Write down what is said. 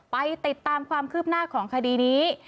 ไปติดตามความคืบหน้าของคดีนี้